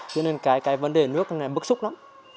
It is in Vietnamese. cho nên cái vấn đề nước này bức xúc lắm